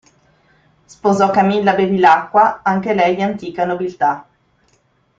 Sposò Camilla Bevilacqua, anche lei di antica nobiltà.